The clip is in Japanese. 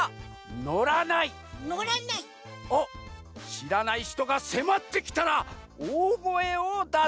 しらないひとがせまってきたら「お」おごえをだす！